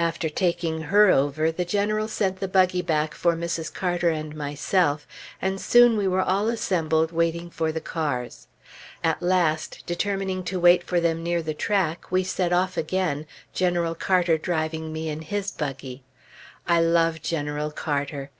After taking her over, the General sent the buggy back for Mrs. Carter and myself, and soon we were all assembled waiting for the cars. At last, determining to wait for them near the track, we started off again, General Carter driving me in his buggy. I love General Carter.